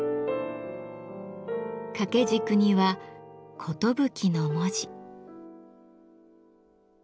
掛け軸には「寿」の文字。